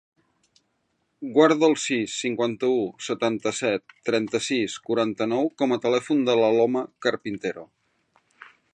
Guarda el sis, cinquanta-u, setanta-set, trenta-sis, quaranta-nou com a telèfon de l'Aloma Carpintero.